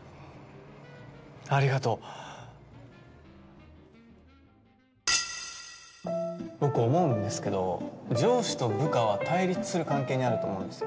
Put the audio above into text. ありがとう僕思うんですけど上司と部下は対立する関係にあると思うんですよ